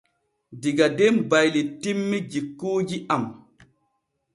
Diga den baylitinmi jikuuji am.